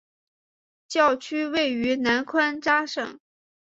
教区位于南宽扎省。